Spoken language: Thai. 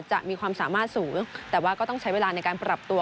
จะมีความสามารถสูงแต่ว่าก็ต้องใช้เวลาในการปรับตัว